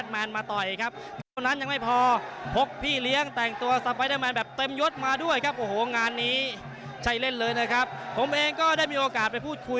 เราลองไปดูซิก็วมันเป็นยังไงครับ